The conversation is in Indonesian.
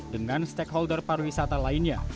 dengan stakeholder pariwisata lainnya